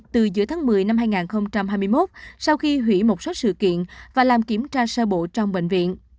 từ giữa tháng một mươi năm hai nghìn hai mươi một sau khi hủy một số sự kiện và làm kiểm tra sơ bộ trong bệnh viện